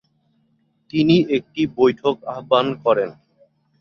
তিনি একটি বৈঠক আহ্বান করেন ।